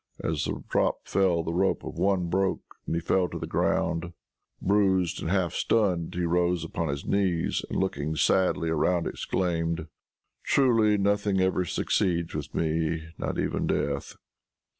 As the drop fell, the rope of one broke, and he fell to the ground. Bruised and half stunned he rose upon his knees, and looking sadly around exclaimed, "Truly nothing ever succeeds with me, not even death."